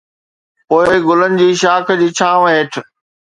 پوء گلن جي شاخ جي ڇانو هيٺ